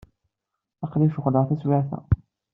Aql-iyi ceɣleɣ taswiɛt-a.